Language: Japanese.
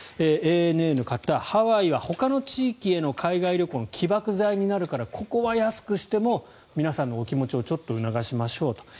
ＡＮＡの方、ハワイはほかの地域への海外旅行の起爆剤になるからここは安くしても皆さんのお気持ちをちょっと促しましょうと。